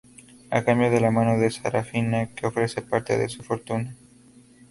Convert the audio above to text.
A cambio de la mano de Serafina, que ofrece parte de su fortuna.